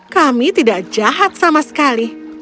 kami tidak jahat sama sekali